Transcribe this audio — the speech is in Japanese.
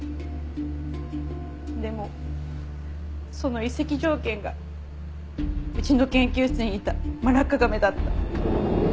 でもその移籍条件がうちの研究室にいたマラッカガメだった。